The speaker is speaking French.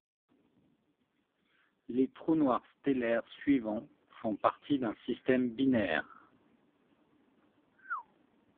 Les trous noirs stellaires suivants font partie d'un système binaire.